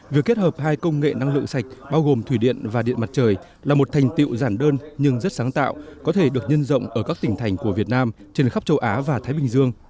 việc kết hợp hai công nghệ năng lượng sạch bao gồm thủy điện và điện mặt trời là một thành tiệu giản đơn nhưng rất sáng tạo có thể được nhân rộng ở các tỉnh thành của việt nam trên khắp châu á và thái bình dương